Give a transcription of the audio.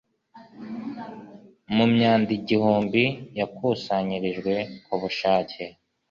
Mu myanda igihumbi yakusanyirijwe ku bushake